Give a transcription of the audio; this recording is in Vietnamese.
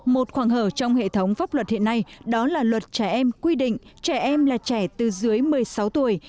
một khoảng hở trong hệ thống pháp luật hiện nay đó là luật trẻ em quy định trẻ em là trẻ từ dưới một mươi sáu tuổi